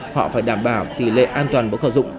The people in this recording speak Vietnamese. họ phải đảm bảo tỷ lệ an toàn với khẩu dụng